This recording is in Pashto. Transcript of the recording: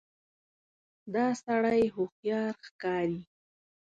دا سړی هوښیار ښکاري.